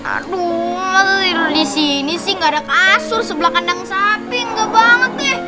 aduh kenapa tidur di sini sih nggak ada kasur sebelah kandang sapi nggak banget deh